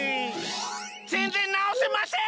ぜんぜんなおせません！